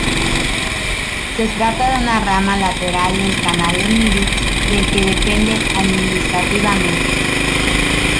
Se trata de una rama lateral del canal de Midi, del que depende administrativamente.